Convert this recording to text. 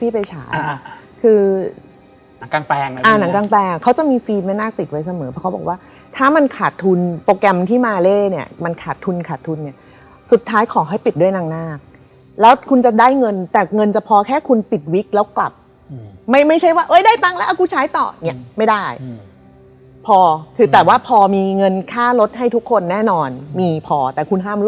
เพราะเราอยู่ข้างในตึกใช่ไหมค่ะ